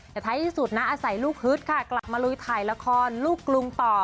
แต่ท้ายที่สุดนะอาศัยลูกฮึดค่ะกลับมาลุยถ่ายละครลูกกรุงต่อ